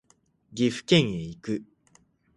岐阜県へ行く